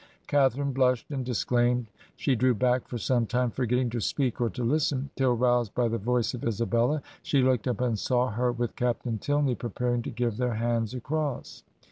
Catharine blushed and disclaimed. ... She drew back for some time, forgetting to speak or to listen ... till roused by the voice of Isabella, she looked up and saw her with Captain Tilney preparing to give their hands across.